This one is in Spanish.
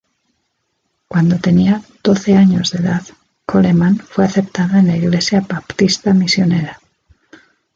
Cuando tenía doce años de edad, Coleman fue aceptada en la Iglesia Baptista Misionera.